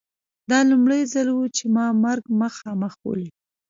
دا لومړی ځل و چې ما مرګ مخامخ ولید